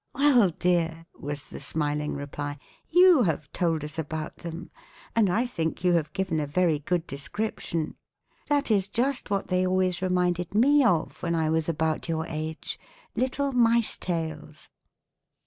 "Well, dear," was the smiling reply, "you have told us about them, and I think you have given a very good description. That is just what they always reminded me of when I was about your age little mice tails."